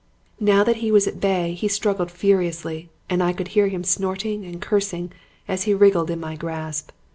Now that he was at bay, he struggled furiously, and I could hear him snorting and cursing as he wriggled in my grasp.